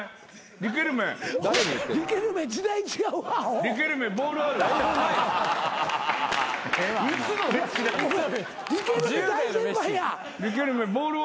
リケルメボールは？